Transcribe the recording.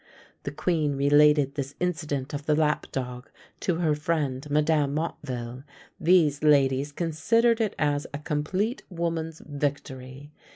The queen related this incident of the lap dog to her friend Madame Motteville; these ladies considered it as a complete woman's victory.